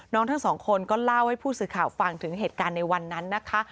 ทั้งสองคนก็เล่าให้ผู้สื่อข่าวฟังถึงเหตุการณ์ในวันนั้นนะคะ